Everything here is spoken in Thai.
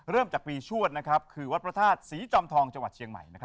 เริ่มจากปีชวดคือวัดพระธาตุศรีจอมทองจังหวัดเชียงใหม่